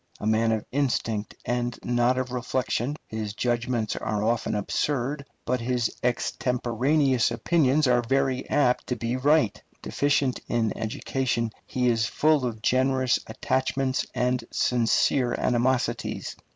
A man of instinct and not of reflection, his judgments are often absurd, but his extemporaneous opinions are very apt to be right. Deficient in education, he is full of generous attachments and sincere animosities.